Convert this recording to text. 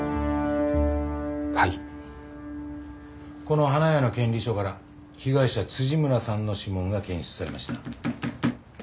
この花屋の権利書から被害者村さんの指紋が検出されました。